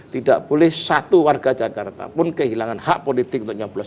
tidak boleh satu warga jakarta pun kehilangan hak politik untuk nyoblos